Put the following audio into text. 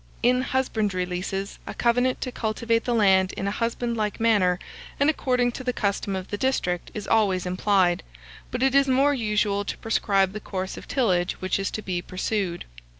In husbandry leases, a covenant to cultivate the land in a husbandlike manner, and according to the custom of the district, is always implied; but it is more usual to prescribe the course of tillage which is to be pursued.